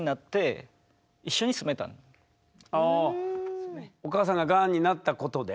ただお母さんががんになったことで？